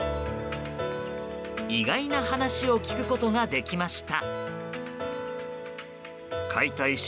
意外な話を聞くことができました。